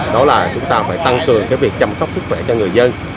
đó là chúng ta phải tăng cường cái việc chăm sóc sức khỏe cho người dân